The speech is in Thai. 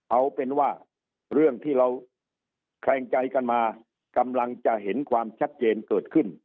เอาเป็นว่าเรื่องที่เราแคลงใจกันมากำลังจะเห็นความชัดเจนเกิดขึ้น